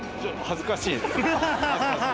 恥ずかしいです。